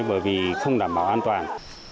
bởi vì không đảm bảo an toàn